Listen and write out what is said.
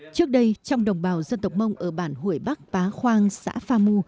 trước đây trong đồng bào dân tộc mông ở bản hủy bắc pá khoang xã pha mu